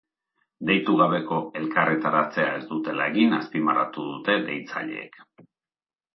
Deitu gabeko elkarretaratzea ez dutela egin azpimarratu dute deitzaileek.